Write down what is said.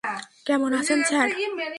কেমন আছেন, স্যার?